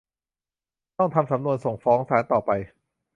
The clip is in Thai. ต้องทำสำนวนส่งฟ้องศาลต่อไป